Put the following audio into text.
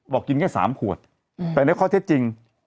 กินแค่๓ขวดแต่ในข้อเท็จจริง